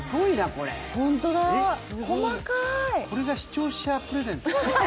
これが視聴者プレゼント？